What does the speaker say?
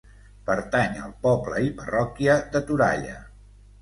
Pertany al poble i parròquia de Toralla.